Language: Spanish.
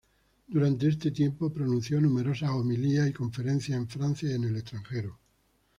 Durante este tiempo pronunció numerosas homilías y conferencias en Francia y en el extranjero.